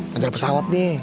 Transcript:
nganjel pesawat nih